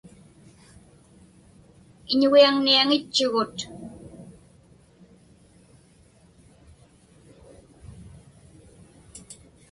Iñugiaŋniaŋitchugut.